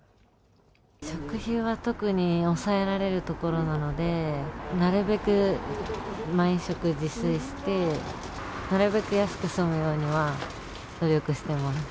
食費は特に抑えられるところなので、なるべく毎食自炊して、なるべく安く済むようには努力しています。